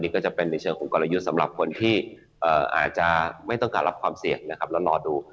ก็จะเป็นในเชิงของกลยุทธ์สำหรับคนที่อาจจะไม่ต้องการรับความเสี่ยงนะครับแล้วรอดู